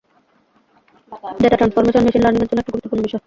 Data transformation machine learning এর জন্য একটি গুরুত্বপূর্ণ বিষয়।